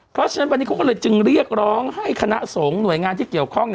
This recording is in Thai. เพราะฉะนั้นวันนี้เขาก็เลยจึงเรียกร้องให้คณะสงฆ์หน่วยงานที่เกี่ยวข้อง